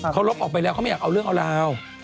เขาลบออกไปแล้วเขาไม่อยากเอาเรื่องเอาราว